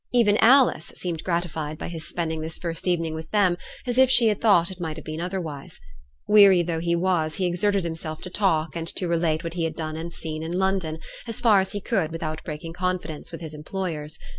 Even Alice seemed gratified by his spending this first evening with them, as if she had thought it might have been otherwise. Weary though he was, he exerted himself to talk and to relate what he had done and seen in London, as far as he could without breaking confidence with his employers.